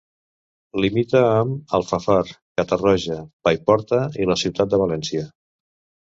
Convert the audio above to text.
Limita amb Alfafar, Catarroja, Paiporta i la ciutat de València.